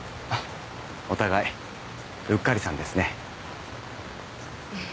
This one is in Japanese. お互いうっかりさんですねええ